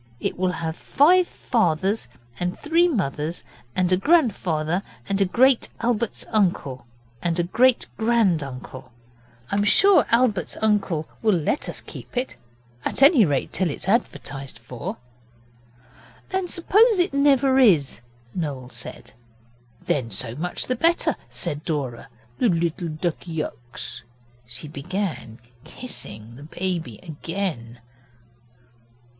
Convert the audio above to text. It will have five fathers and three mothers, and a grandfather and a great Albert's uncle, and a great grand uncle. I'm sure Albert's uncle will let us keep it at any rate till it's advertised for.' 'And suppose it never is,' Noel said. 'Then so much the better,' said Dora, 'the little Duckyux.' She began kissing the baby again.